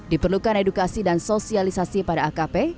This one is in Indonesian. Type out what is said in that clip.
diperlukan edukasi dan sosialisasi pada akp